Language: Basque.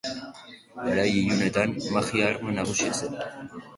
Garai ilunetan, magia arma nagusia zen.